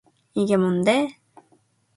이게 뭔데?